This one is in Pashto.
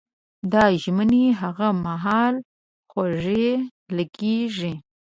دا ژمنې هغه مهال خوږې لګېږي.